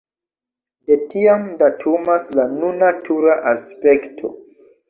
De tiam datumas la nuna tura aspekto.